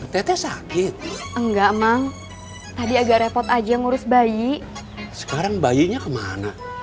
tete sakit enggak mang tadi agak repot aja ngurus bayi sekarang bayinya kemana